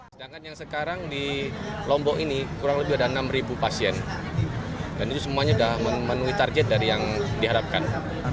sedangkan yang sekarang di lombok ini kurang lebih ada enam pasien dan itu semuanya sudah memenuhi target dari yang diharapkan